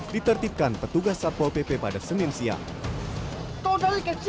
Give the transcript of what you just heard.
ditertipkan petugas satpol pp pada senin siang